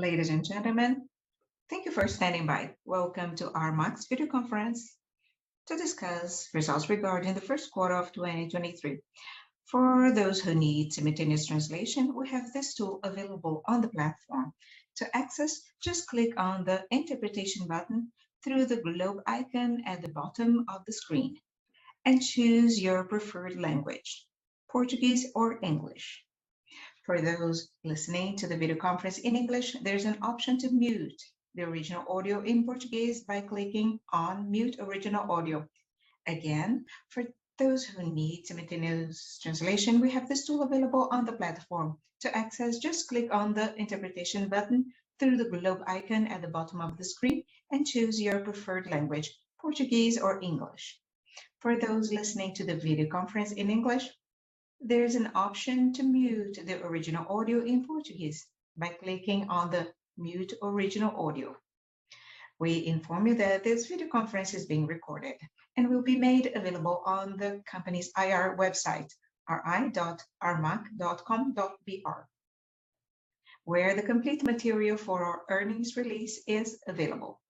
Ladies and gentlemen, thank you for standing by. Welcome to Armac's video conference to discuss results regarding the first quarter of 2023. For those who need simultaneous translation, we have this tool available on the platform. To access, just click on the interpretation button through the globe icon at the bottom of the screen and choose your preferred language, Portuguese or English. For those listening to the video conference in English, there's an option to mute the original audio in Portuguese by clicking on Mute Original Audio. Again, for those who need simultaneous translation, we have this tool available on the platform. To access, just click on the interpretation button through the globe icon at the bottom of the screen and choose your preferred language, Portuguese or English. For those listening to the video conference in English, there's an option to mute the original audio in Portuguese by clicking on the Mute Original Audio. We inform you that this video conference is being recorded and will be made available on the company's IR website, ri.armac.com.br, where the complete material for our earnings release is available.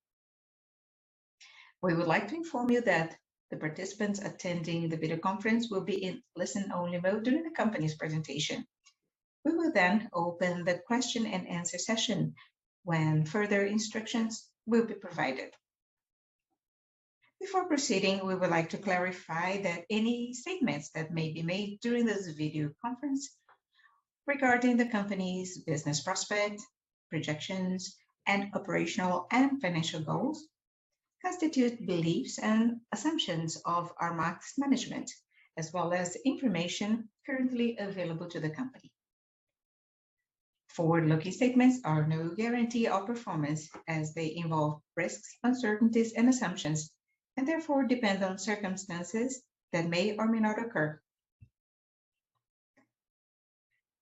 We would like to inform you that the participants attending the video conference will be in listen only mode during the company's presentation. We will then open the question and answer session when further instructions will be provided. Before proceeding, we would like to clarify that any statements that may be made during this video conference regarding the company's business prospect, projections, and operational and financial goals constitute beliefs and assumptions of Armac's management, as well as information currently available to the company. Forward-looking statements are no guarantee of performance as they involve risks, uncertainties and assumptions, and therefore depend on circumstances that may or may not occur.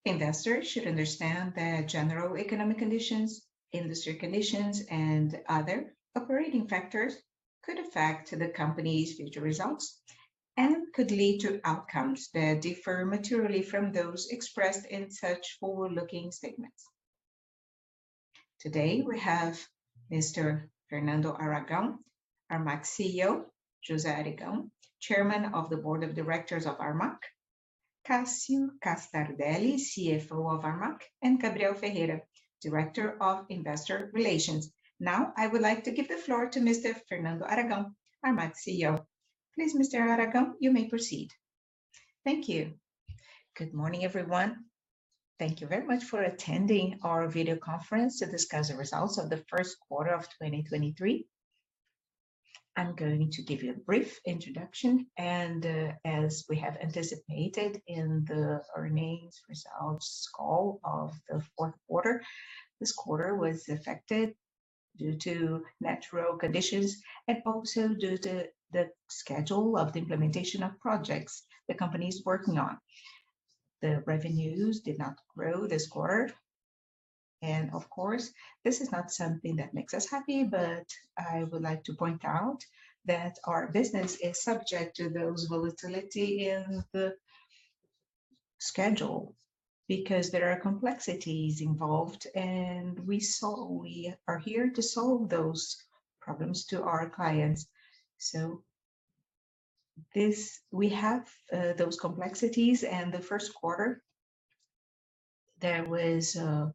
Investors should understand that general economic conditions, industry conditions, and other operating factors could affect the company's future results and could lead to outcomes that differ materially from those expressed in such forward-looking statements. Today, we have Mr. Fernando Aragão, Armac's CEO, José Aragão, Chairman of the Board of Directors of Armac, Cássio Castardelli, CFO of Armac, and Gabriel Ferreira, Director of Investor Relations. Now, I would like to give the floor to Mr. Fernando Aragão, Armac's CEO. Please, Mr. Aragão, you may proceed. Thank you. Good morning, everyone. Thank you very much for attending our video conference to discuss the results of the first quarter of 2023. I'm going to give you a brief introduction. As we have anticipated in the earnings results call of the fourth quarter, this quarter was affected due to natural conditions and also due to the schedule of the implementation of projects the company is working on. The revenues did not grow this quarter. Of course, this is not something that makes us happy, but I would like to point out that our business is subject to those volatility in the schedule because there are complexities involved, and we are here to solve those problems to our clients. This we have those complexities. In the first quarter, there was a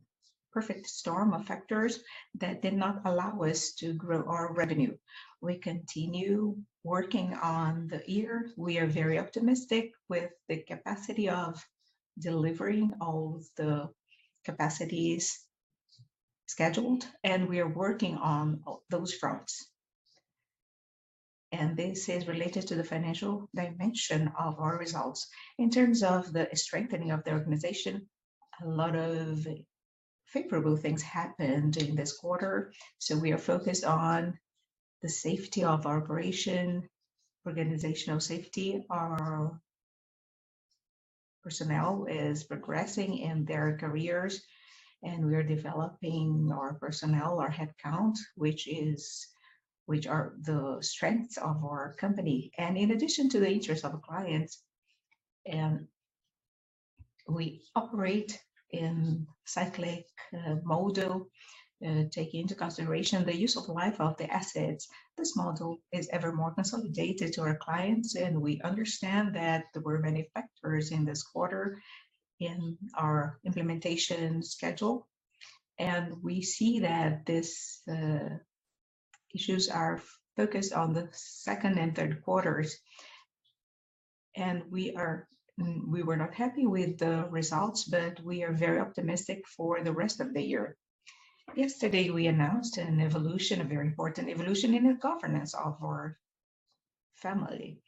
perfect storm of factors that did not allow us to grow our revenue. We continue working on the year. We are very optimistic with the capacity of delivering all the capacities scheduled, and we are working on those fronts. This is related to the financial dimension of our results. In terms of the strengthening of the organization, a lot of favorable things happened in this quarter, so we are focused on the safety of our operation, organizational safety. Our personnel is progressing in their careers, and we are developing our personnel, our headcount, which are the strengths of our company. In addition to the interest of the clients, we operate in cyclic model, taking into consideration the use of life of the assets. This model is ever more consolidated to our clients, and we understand that there were many factors in this quarter in our implementation schedule. We see that these issues are focused on the second and third quarters. We were not happy with the results, but we are very optimistic for the rest of the year. Yesterday, we announced an evolution, a very important evolution in the governance of our family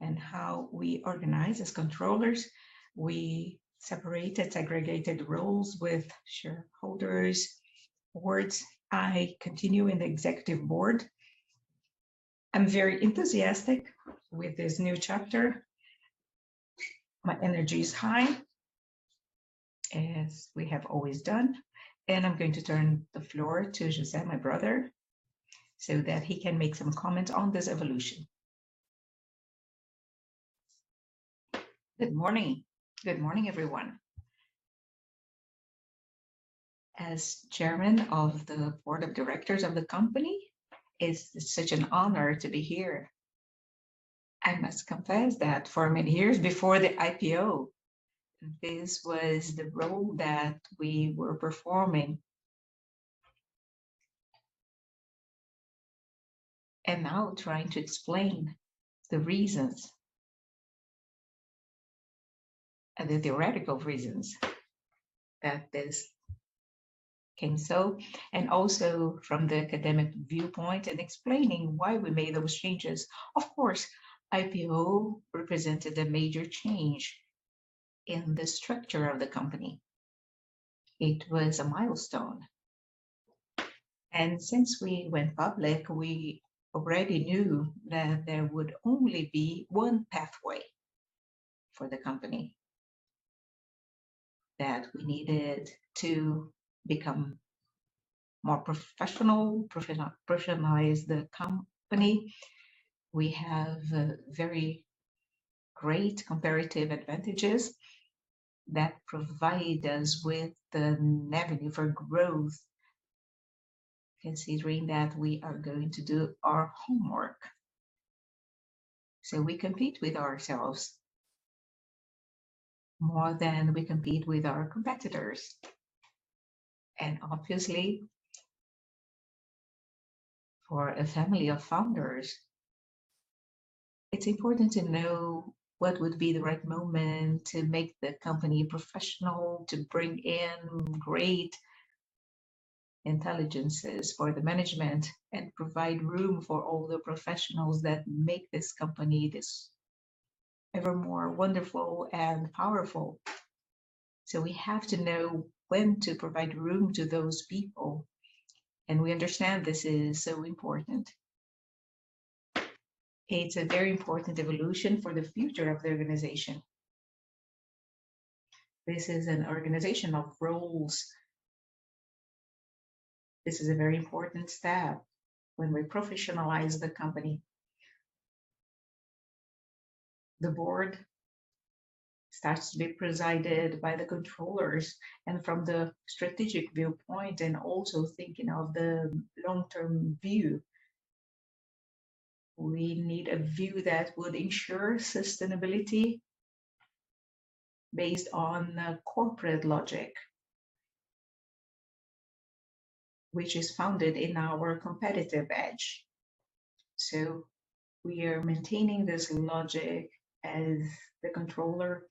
and how we organize as controllers. We separated, segregated roles with shareholders boards. I continue in the executive board. I'm very enthusiastic with this new chapter. My energy is high, as we have always done. I'm going to turn the floor to José, my brother, so that he can make some comments on this evolution. Good morning. Good morning, everyone. As Chairman of the Board of Directors of the company, it's such an honor to be here. I must confess that for many years before the IPO, this was the role that we were performing. Now trying to explain the reasons and the theoretical reasons that this came so, and also from the academic viewpoint and explaining why we made those changes. Of course, IPO represented a major change in the structure of the company. It was a milestone. Since we went public, we already knew that there would only be one pathway for the company. That we needed to become more professional, professionalize the company. We have very great comparative advantages that provide us with the avenue for growth, considering that we are going to do our homework. We compete with ourselves more than we compete with our competitors. Obviously, for a family of founders, it's important to know what would be the right moment to make the company professional, to bring in great intelligences for the management and provide room for all the professionals that make this company this ever more wonderful and powerful. We have to know when to provide room to those people, and we understand this is so important. It's a very important evolution for the future of the organization. This is an organization of roles. This is a very important step when we professionalize the company. The board starts to be presided by the controllers and from the strategic viewpoint, and also thinking of the long-term view. We need a view that would ensure sustainability based on a corporate logic, which is founded in our competitive edge. We are maintaining this logic as the controller,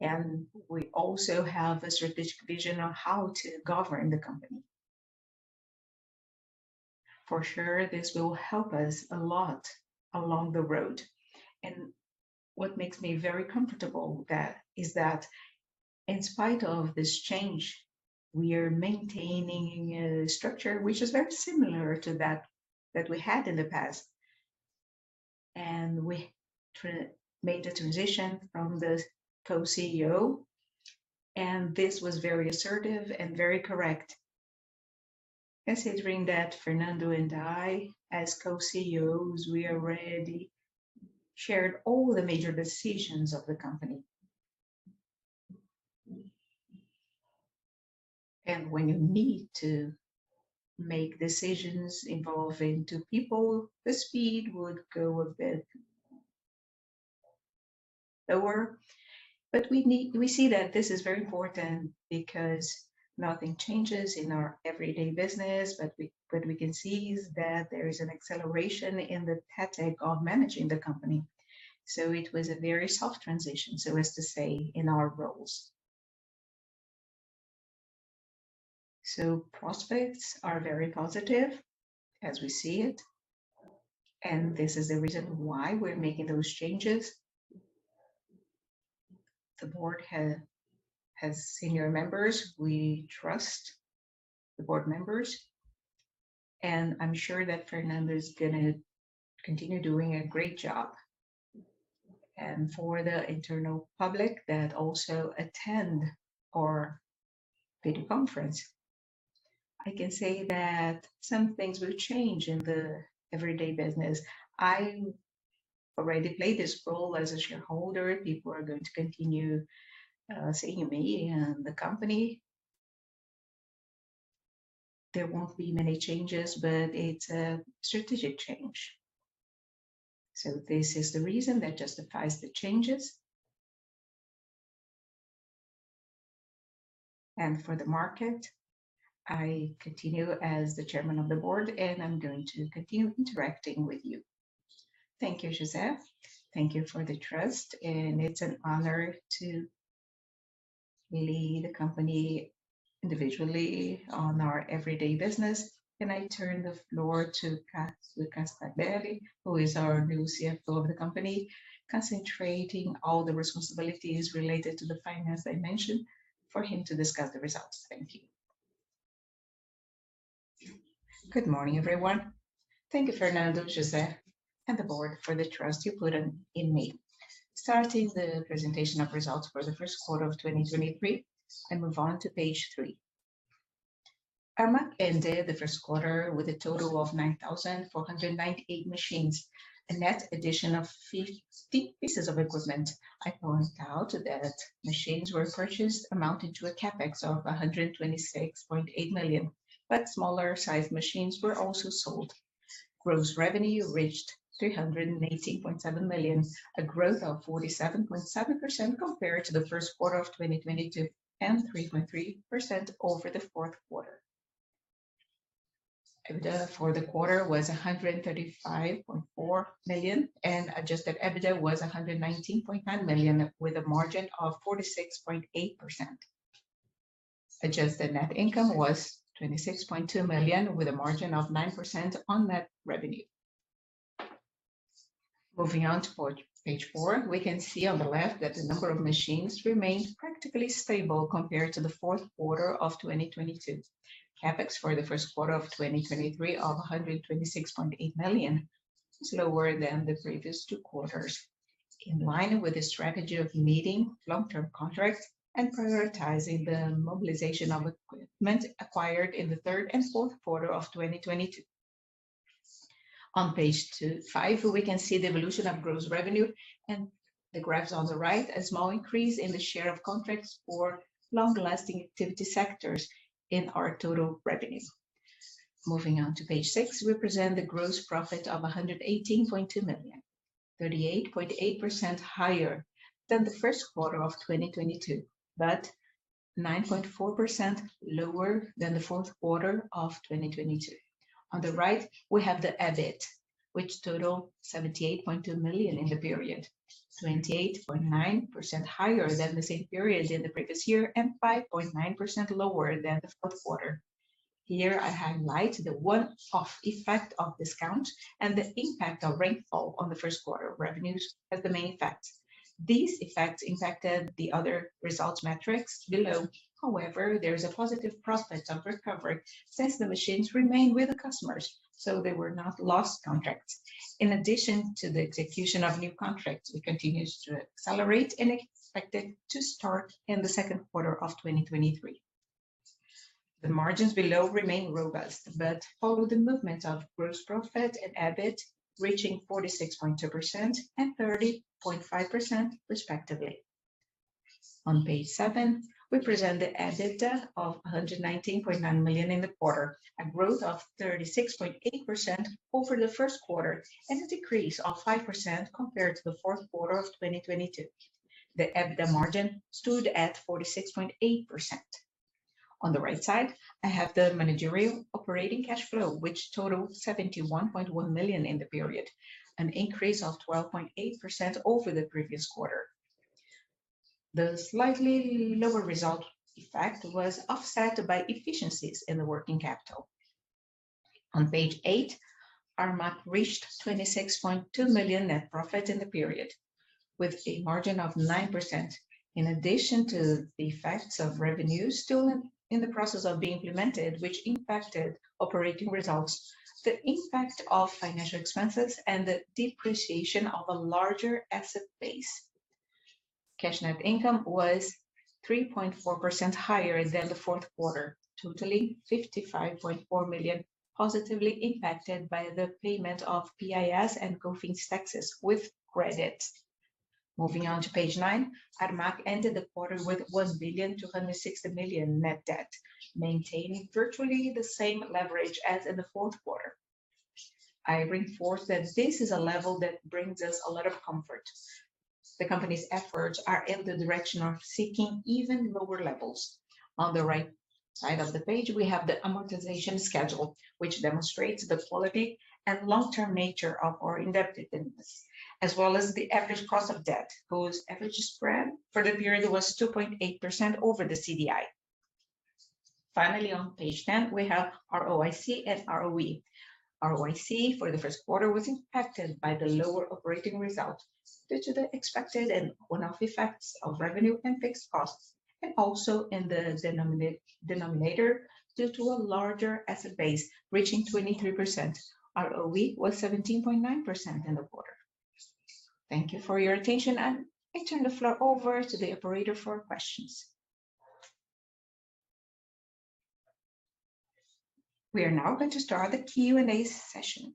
and we also have a strategic vision on how to govern the company. For sure, this will help us a lot along the road. What makes me very comfortable is that in spite of this change, we are maintaining a structure which is very similar to that we had in the past. We made the transition from the co-CEO, and this was very assertive and very correct. Considering that Fernando and I, as co-CEOs, we already shared all the major decisions of the company. When you need to make decisions involving two people, the speed would go a bit lower. We see that this is very important because nothing changes in our everyday business, but we can see is that there is an acceleration in the tactic of managing the company. It was a very soft transition, so as to say, in our roles. Prospects are very positive as we see it, and this is the reason why we're making those changes. The board has senior members. We trust the board members, and I'm sure that Fernando is gonna continue doing a great job. For the internal public that also attend our video conference, I can say that some things will change in the everyday business. I already play this role as a shareholder. People are going to continue seeing me and the company. There won't be many changes, but it's a strategic change. This is the reason that justifies the changes. For the market, I continue as the Chairman of the Board, and I'm going to continue interacting with you. Thank you, José. Thank you for the trust. It's an honor to lead the company individually on our everyday business. Can I turn the floor to Cássio Castardelli, who is our new CFO of the company, concentrating all the responsibilities related to the finance I mentioned for him to discuss the results. Thank you. Good morning, everyone. Thank you, Fernando, José, and the board for the trust you put in me. Starting the presentation of results for the first quarter of 2023 and move on to page 3. Armac ended the first quarter with a total of 9,498 machines, a net addition of fifty pieces of equipment. I point out that machines were purchased amounted to a CapEx of 126.8 million. Smaller sized machines were also sold. Gross revenue reached 318.7 million, a growth of 47.7% compared to the first quarter of 2022, and 3.3% over the fourth quarter. EBITDA for the quarter was 135.4 million, and adjusted EBITDA was 119.9 million with a margin of 46.8%. Adjusted net income was 26.2 million with a margin of 9% on net revenue. Moving on to page four, we can see on the left that the number of machines remained practically stable compared to the fourth quarter of 2022. CapEx for the first quarter of 2023 of 126.8 million, slower than the previous two quarters. In line with the strategy of meeting long-term contracts and prioritizing the mobilization of equipment acquired in the third and fourth quarter of 2022. On page five, we can see the evolution of gross revenue and the graphs on the right, a small increase in the share of contracts for long-lasting activity sectors in our total revenue. Moving on to page six, we present the gross profit of 118.2 million, 38.8% higher than the first quarter of 2022, but 9.4% lower than the fourth quarter of 2022. On the right, we have the EBIT, which total 78.2 million in the period, 28.9% higher than the same period in the previous year and 5.9% lower than the fourth quarter. Here, I highlight the one-off effect of discount and the impact of rainfall on the first quarter revenues as the main effects. These effects impacted the other results metrics below. However, there is a positive prospect of recovery since the machines remain with the customers, so they were not lost contracts. In addition to the execution of new contracts, it continues to accelerate and expected to start in the second quarter of 2023. The margins below remain robust, follow the movement of gross profit and EBIT reaching 46.2% and 30.5% respectively. On page 7, we present the EBITDA of 119.9 million in the quarter, a growth of 36.8% over the first quarter and a decrease of 5% compared to the fourth quarter of 2022. The EBITDA margin stood at 46.8%. On the right side, I have the managerial operating cash flow, which totaled 71.1 million in the period, an increase of 12.8% over the previous quarter. The slightly lower result effect was offset by efficiencies in the working capital. On page 8, Armac reached 26.2 million net profit in the period with a margin of 9%. In addition to the effects of revenues still in the process of being implemented, which impacted operating results, the impact of financial expenses and the depreciation of a larger asset base. Cash net income was 3.4% higher than the fourth quarter, totaling 55.4 million, positively impacted by the payment of PIS and COFINS taxes with credit. Moving on to page 9, Armac ended the quarter with 1.26 billion Net Debt, maintaining virtually the same leverage as in the fourth quarter. I reinforce that this is a level that brings us a lot of comfort. The company's efforts are in the direction of seeking even lower levels. On the right side of the page, we have the amortization schedule, which demonstrates the quality and long-term nature of our indebtedness, as well as the average cost of debt, whose average spread for the period was 2.8% over the CDI. Finally, on page 10, we have ROIC and ROE. ROIC for the first quarter was impacted by the lower operating results due to the expected and one-off effects of revenue and fixed costs, and also in the denominator due to a larger asset base reaching 23%. ROE was 17.9% in the quarter. Thank you for your attention, and I turn the floor over to the operator for questions. We are now going to start the Q&A session.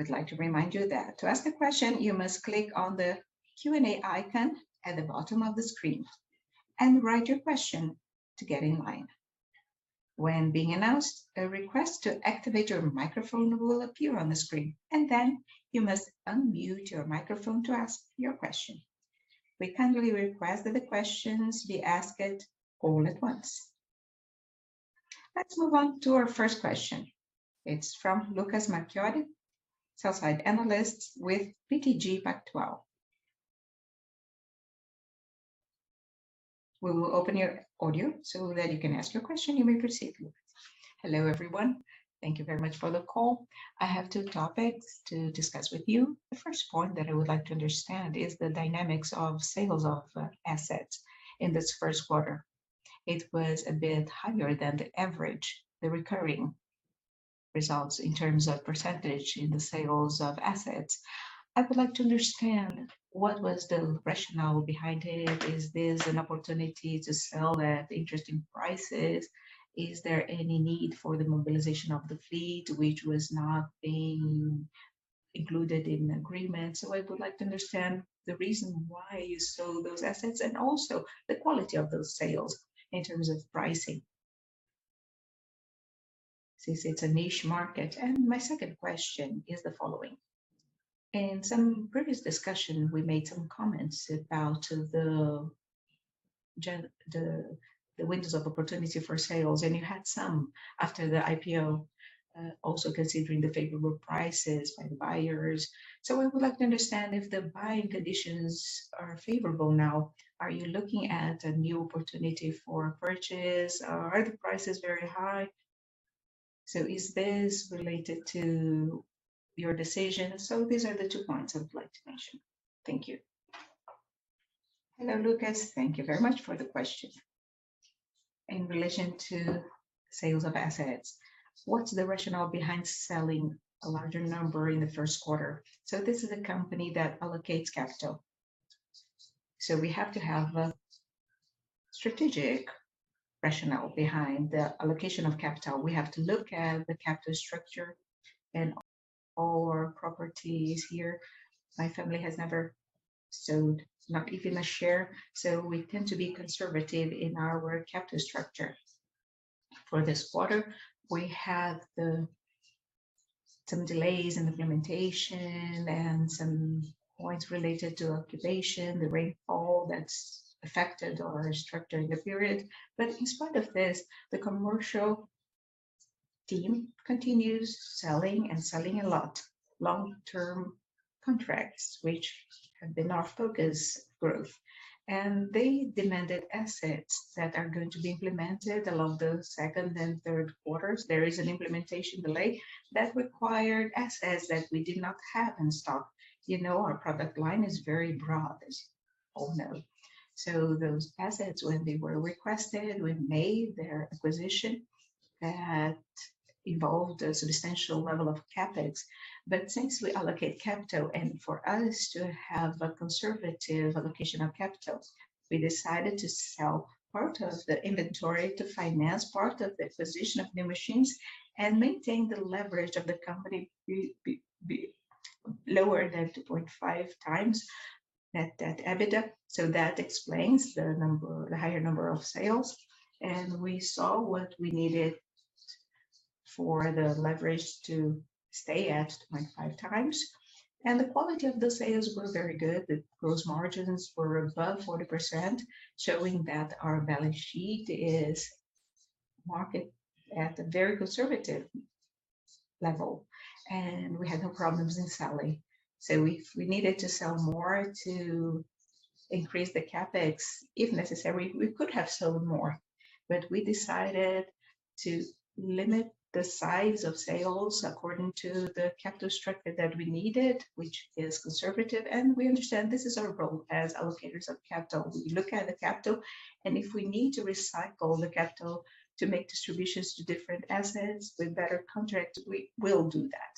We'd like to remind you that to ask a question, you must click on the Q&A icon at the bottom of the screen and write your question to get in line. When being announced, a request to activate your microphone will appear on the screen, and then you must unmute your microphone to ask your question. We kindly request that the questions be asked all at once. Let's move on to our first question. It's from Lucas Marquiori, Sell-Side Analyst with BTG Pactual. We will open your audio so that you can ask your question. You may proceed, Lucas. Hello, everyone. Thank you very much for the call. I have two topics to discuss with you. The first point that I would like to understand is the dynamics of sales of assets in this first quarter.It was a bit higher than the average, the recurring results in terms of % in the sales of assets. I would like to understand what was the rationale behind it. Is this an opportunity to sell at interesting prices? Is there any need for the mobilization of the fleet which was not being included in the agreement? I would like to understand the reason why you sold those assets and also the quality of those sales in terms of pricing since it's a niche market. My second question is the following: In some previous discussion, we made some comments about the windows of opportunity for sales, and you had some after the IPO, also considering the favorable prices by the buyers. I would like to understand if the buying conditions are favorable now? Are you looking at a new opportunity for purchase or are the prices very high? Is this related to your decision? These are the 2 points I would like to mention. Thank you. Hello, Lucas. Thank you very much for the question. In relation to sales of assets, what's the rationale behind selling a larger number in the first quarter? This is a company that allocates capital, so we have to have a strategic rationale behind the allocation of capital. We have to look at the capital structure and our properties here. My family has never sold not even a share, so we tend to be conservative in our capital structure. For this quarter, we had some delays in implementation and some points related to occupation, the rainfall that's affected our structure in the period. In spite of this, the commercial team continues selling and selling a lot. Long-term contracts, which have been our focus growth. They demanded assets that are going to be implemented along the second and third quarters. There is an implementation delay that required assets that we did not have in stock. You know, our product line is very broad, as you all know. Those assets, when they were requested, we made their acquisition. That involved a substantial level of CapEx. Since we allocate capital, and for us to have a conservative allocation of capital, we decided to sell part of the inventory to finance part of the acquisition of new machines and maintain the leverage of the company be lower than 2.5 times Net Debt/EBITDA. That explains the number, the higher number of sales. We saw what we needed for the leverage to stay at 2.5 times. The quality of the sales were very good. The gross margins were above 40%, showing that our balance sheet is market at a very conservative level, and we had no problems in selling. If we needed to sell more to increase the CapEx, if necessary, we could have sold more. We decided to limit the size of sales according to the capital structure that we needed, which is conservative. We understand this is our role as allocators of capital. We look at the capital, and if we need to recycle the capital to make distributions to different assets with better contract, we will do that.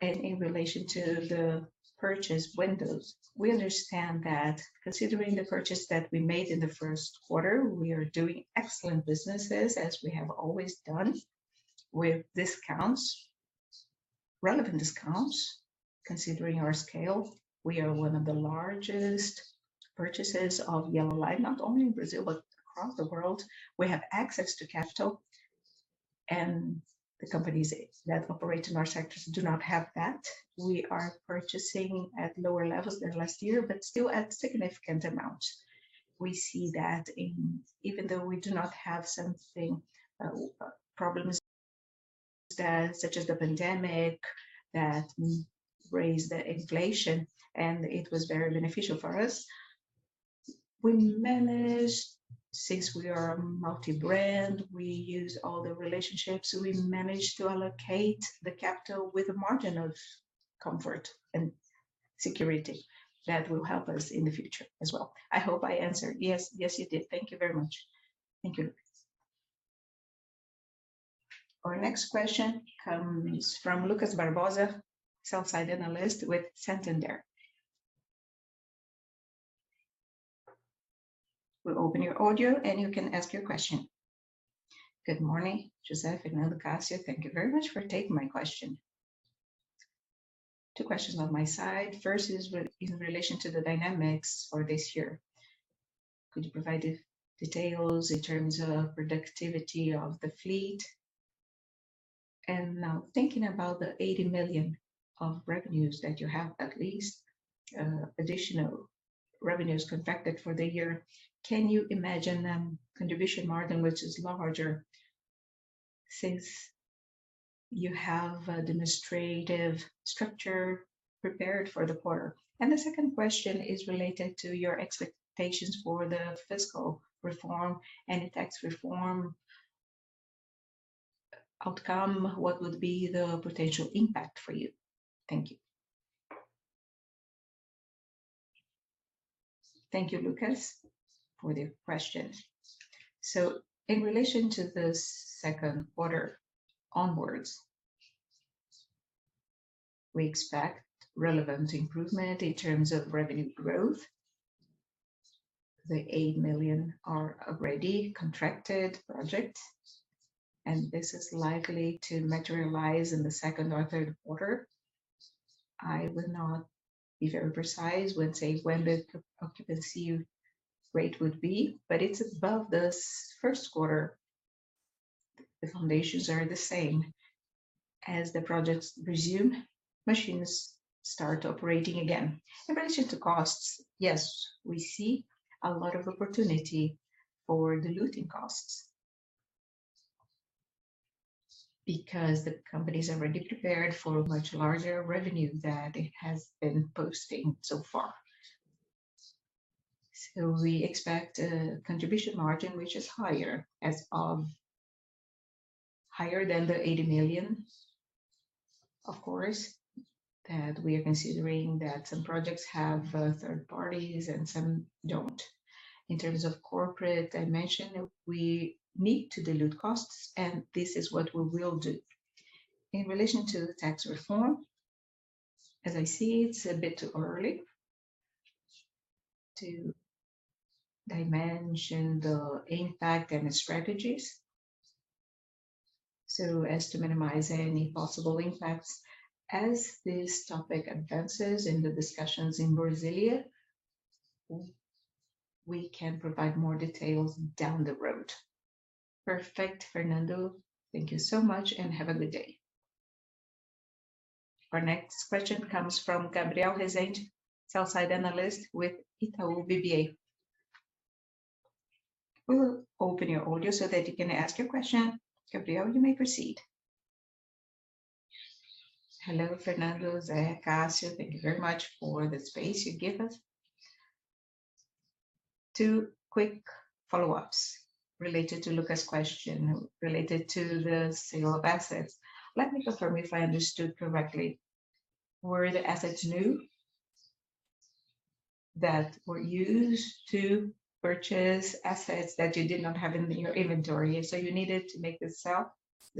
In relation to the purchase windows, we understand that considering the purchase that we made in the first quarter, we are doing excellent businesses as we have always done with discounts, relevant discounts considering our scale. We are one of the largest purchasers of yellow line, not only in Brazil, but across the world. We have access to capital, and the companies that operate in our sectors do not have that. We are purchasing at lower levels than last year, but still at significant amount. We see that even though we do not have something, problems that such as the pandemic that raised the inflation and it was very beneficial for us. We managed, since we are multi-brand, we use all the relationships. We managed to allocate the capital with a margin of comfort and security that will help us in the future as well. I hope I answered. Yes. Yes, you did. Thank you very much. Thank you. Our next question comes from Lucas Barbosa, sell-side analyst with Santander. We'll open your audio, you can ask your question. Good morning, José, Fernando, Cássio. Thank you very much for taking my question. Two questions on my side. First, in relation to the dynamics for this year. Could you provide the details in terms of productivity of the fleet? Now thinking about the 80 million of revenues that you have at least additional revenues contracted for the year, can you imagine a contribution margin which is larger since you have a demonstrative structure prepared for the quarter? The second question is related to your expectations for the fiscal reform and tax reform outcome. What would be the potential impact for you? Thank you. Thank you, Lucas, for the question. In relation to the second quarter onwards, we expect relevant improvement in terms of revenue growth. The 8 million are already contracted project, and this is likely to materialize in the second or third quarter. I would not be very precise when say when the occupancy rate would be, but it's above the first quarter. The foundations are the same. As the projects resume, machines start operating again. In relation to costs, yes, we see a lot of opportunity for diluting costs because the company is already prepared for much larger revenue that it has been posting so far. We expect a contribution margin which is higher than the 80 million. Of course, that we are considering that some projects have third parties and some don't. In terms of corporate, I mentioned we need to dilute costs, and this is what we will do. In relation to the tax reform, as I see it's a bit too early to dimension the impact and the strategies, so as to minimize any possible impacts. As this topic advances in the discussions in Brasilia, we can provide more details down the road. Perfect, Fernando. Thank you so much, and have a good day. Our next question comes from Gabriel Rezende, sell-side analyst with Itaú BBA. We will open your audio so that you can ask your question. Gabriel, you may proceed. Hello, Fernando, José, Cássio. Thank you very much for the space you give us. Two quick follow-ups related to Lucas' question, related to the sale of assets. Let me confirm if I understood correctly. Were the assets new that were used to purchase assets that you did not have in your inventory, you needed to make the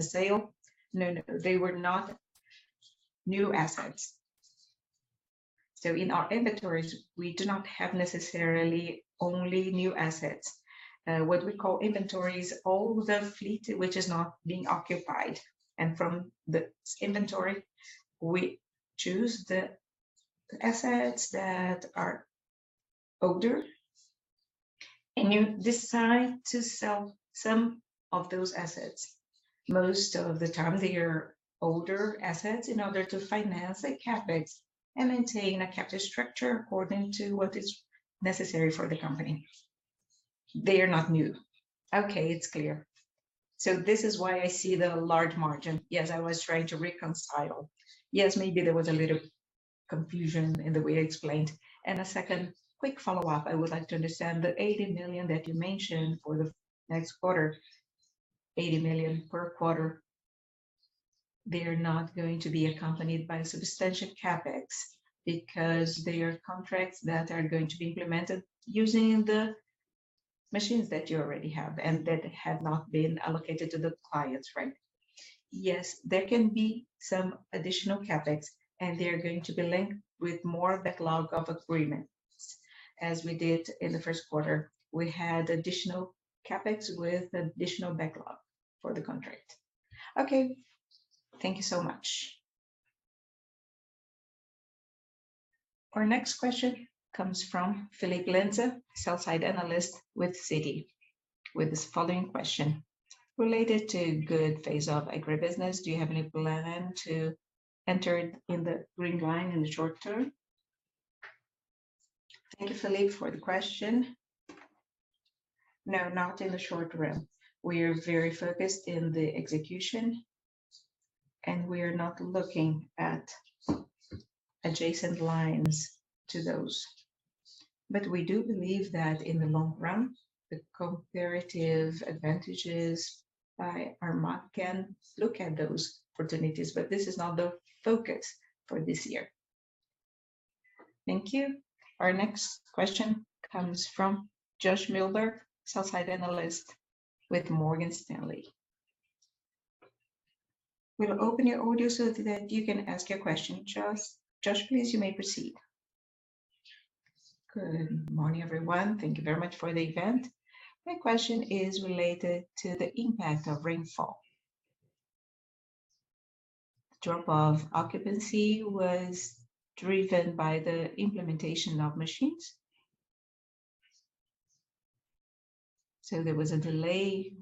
sale? No, they were not new assets. In our inventories, we do not have necessarily only new assets. What we call inventory is all the fleet which is not being occupied. From the inventory, we choose the assets that are older. You decide to sell some of those assets. Most of the time, they are older assets in order to finance a CapEx and maintain a capital structure according to what is necessary for the company. They are not new. Okay, it's clear. This is why I see the large margin. Yes, I was trying to reconcile. Yes, maybe there was a little confusion in the way I explained. A second quick follow-up. I would like to understand the 80 million that you mentioned for the next quarter. 80 million per quarter. They are not going to be accompanied by substantial CapEx because they are contracts that are going to be implemented using the machines that you already have and that have not been allocated to the clients, right? Yes, there can be some additional CapEx, they are going to be linked with more backlog of agreements, as we did in the first quarter. We had additional CapEx with additional backlog for the contract. Okay. Thank you so much. Our next question comes from Andre Mazini, sell-side analyst with Citi, with this following question: Related to good phase of agribusiness, do you have any plan to enter in the green line in the short term? Thank you, Felipe, for the question. No, not in the short run. We are very focused in the execution. We are not looking at adjacent lines to those. We do believe that in the long run, the comparative advantages by Armac can look at those opportunities, but this is not the focus for this year. Thank you. Our next question comes from Josh Milberg, sell-side analyst with Morgan Stanley. We'll open your audio so that you can ask your question, Josh. Josh, please, you may proceed. Good morning, everyone. Thank you very much for the event. My question is related to the impact of rainfall. The drop of occupancy was driven by the implementation of machines. There was a delay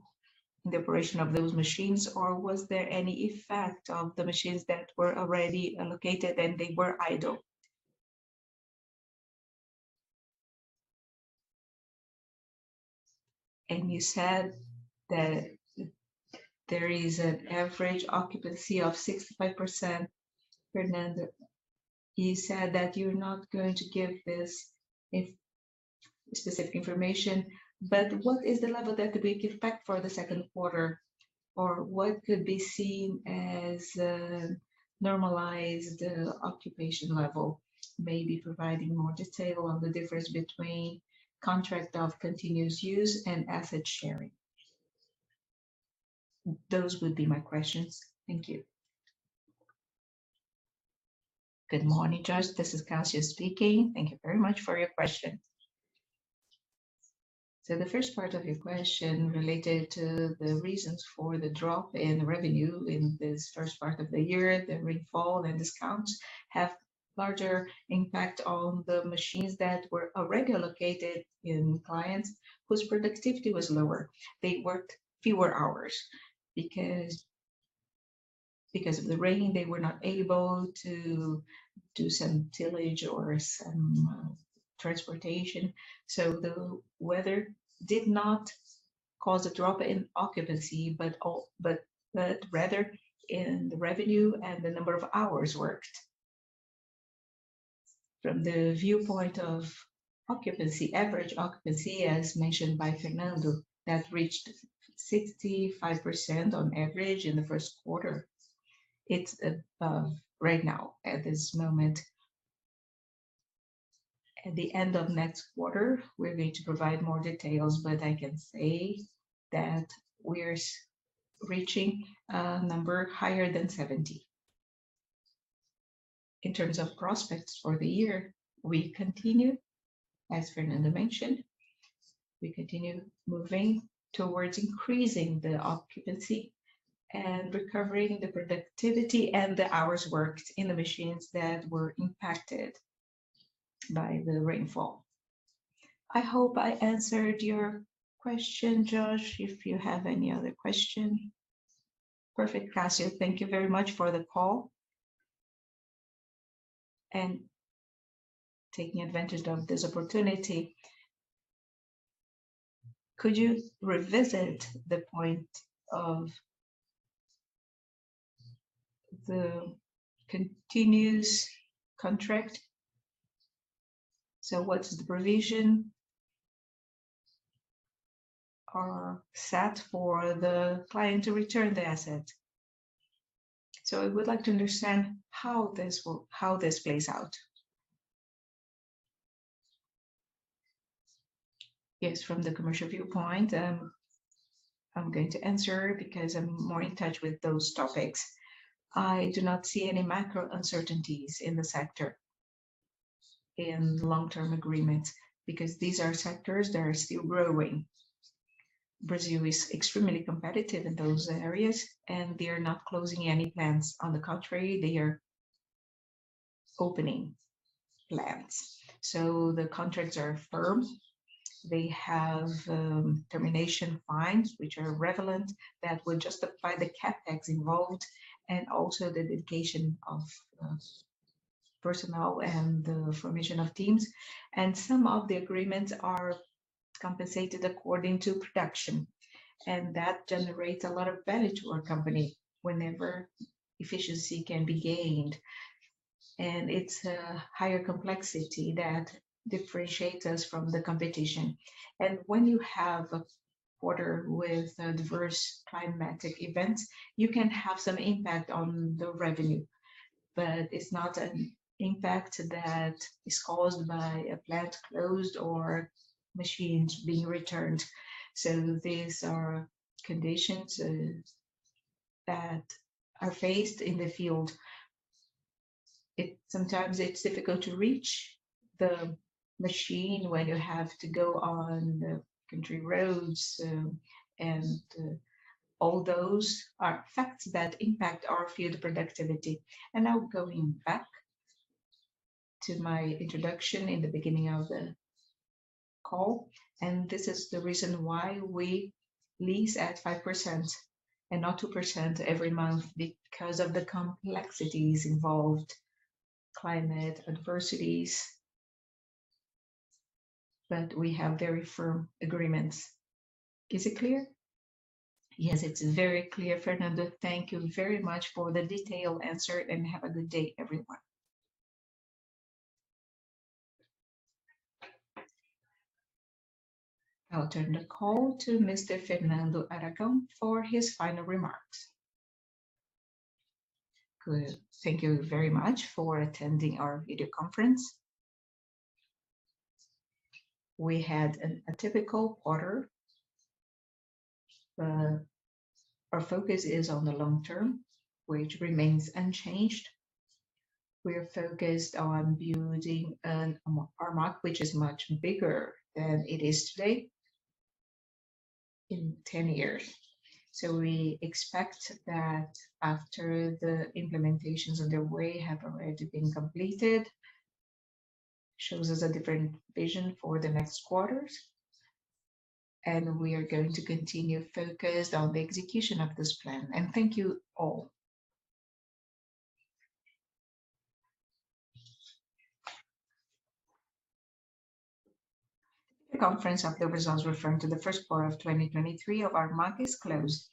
in the operation of those machines, or was there any effect of the machines that were already allocated and they were idle? You said that there is an average occupancy of 65%, Fernando. You said that you're not going to give this specific information, but what is the level that we can expect for the second quarter? Or what could be seen as a normalized occupation level, maybe providing more detail on the difference between contract of continuous use and asset sharing. Those would be my questions. Thank you. Good morning, Josh, this is Cássio speaking. Thank you very much for your question. The first part of your question related to the reasons for the drop in revenue in this first part of the year, the rainfall and discounts have larger impact on the machines that were already located in clients whose productivity was lower. They worked fewer hours because of the rain, they were not able to do some tillage or some transportation. The weather did not cause a drop in occupancy, but rather in the revenue and the number of hours worked. From the viewpoint of occupancy, average occupancy, as mentioned by Fernando, that reached 65% on average in the Q1. It's right now at this moment. At the end of next quarter, we're going to provide more details, but I can say that we're reaching a number higher than 70. In terms of prospects for the year, we continue, as Fernando mentioned, we continue moving towards increasing the occupancy and recovering the productivity and the hours worked in the machines that were impacted by the rainfall. I hope I answered your question, Josh. If you have any other question. Perfect, Cássio. Thank you very much for the call. Taking advantage of this opportunity, could you revisit the point of the continuous contract? What's the provision are set for the client to return the asset? I would like to understand how this plays out. Yes, from the commercial viewpoint, I'm going to answer because I'm more in touch with those topics. I do not see any macro uncertainties in the sector in long-term agreements because these are sectors that are still growing. Brazil is extremely competitive in those areas, and they are not closing any plants. On the contrary, they are opening plants. The contracts are firm. They have termination fines, which are relevant, that will justify the CapEx involved and also the dedication of personnel and the formation of teams. Some of the agreements are compensated according to production, and that generates a lot of value to our company whenever efficiency can be gained. It's a higher complexity that differentiates us from the competition. When you have a quarter with diverse climatic events, you can have some impact on the revenue, but it's not an impact that is caused by a plant closed or machines being returned. These are conditions that are faced in the field. Sometimes it's difficult to reach the machine when you have to go on the country roads. All those are facts that impact our field productivity. Now going back to my introduction in the beginning of the call, this is the reason why we lease at 5% and not 2% every month because of the complexities involved, climate adversities. We have very firm agreements. Is it clear? Yes, it's very clear, Fernando. Thank you very much for the detailed answer, and have a good day, everyone. I'll turn the call to Mr. Fernando Aragão for his final remarks. Thank you very much for attending our video conference. We had an atypical quarter. Our focus is on the long term, which remains unchanged. We are focused on building an Armac, which is much bigger than it is today in 10 years. We expect that after the implementations underway have already been completed, shows us a different vision for the next quarters, and we are going to continue focused on the execution of this plan. Thank you all. The conference of the results referring to the first quarter of 2023 of Armac is closed.